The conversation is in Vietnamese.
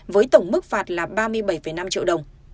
với tổng mức phạt là ba mươi bảy năm triệu đồng